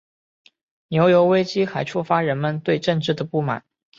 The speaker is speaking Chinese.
牛油危机还触发人们对政治的不满。